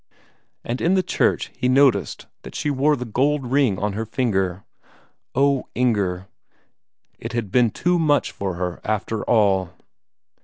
And in the church he noticed that she wore that gold ring on her finger. Oh, Inger it had been too much for her after all!